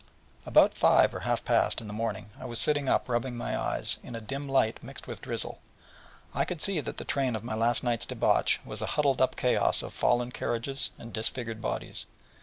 About five, or half past, in the morning I was sitting up, rubbing my eyes, in a dim light mixed with drizzle. I could see that the train of my last night's debauch was a huddled up chaos of fallen carriages and disfigured bodies.